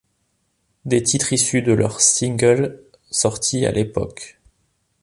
Des titres issus de leurs Singles sortis à l'époque.